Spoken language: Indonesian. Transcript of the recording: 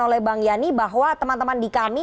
oleh bang yani bahwa teman teman di kami